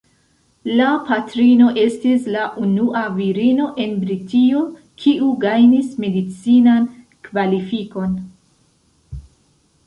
La patrino estis la unua virino en Britio kiu gajnis medicinan kvalifikon.